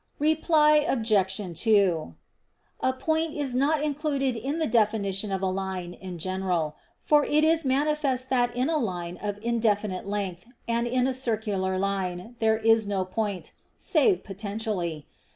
Reply Obj. 2: A point is not included in the definition of a line in general: for it is manifest that in a line of indefinite length, and in a circular line, there is no point, save potentially.